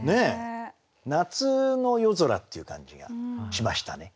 夏の夜空っていう感じがしましたね。